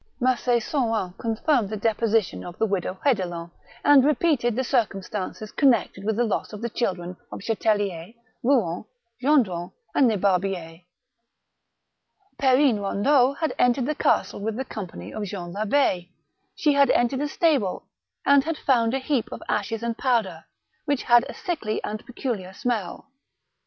Mac6 Sorin confirmed the deposition of the widow Hedelin, and repeated the circumstances connected with the loss of the children of Chatellier, Kouen, Gendron, and Lebarbier. Perrine Eondeau had entered the castle with the company of Jean Labb6. She had entered a stable, and had found a heap of ashes and powder, which had a sickly and peculiar smell.